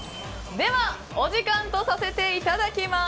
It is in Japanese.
ではお時間とさせていただきます。